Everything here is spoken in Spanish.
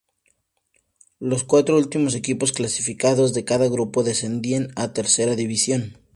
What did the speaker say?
Los cuatro últimos equipos clasificados de cada grupo descienden a Tercera División.